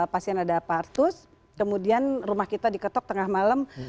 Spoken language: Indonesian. pasien ada partus kemudian rumah kita diketok tengah malam